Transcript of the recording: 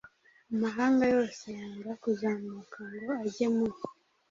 amahanga yose yanga kuzamuka ngo ajye mu